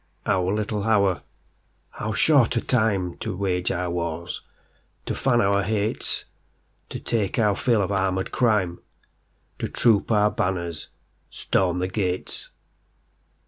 Our little hour,—how short a timeTo wage our wars, to fan our hates, To take our fill of armoured crime, To troop our banners, storm the gates.